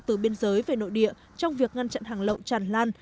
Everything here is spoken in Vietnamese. từ biên giới về nội địa trong việc ngăn chặn hàng lậu tràn lan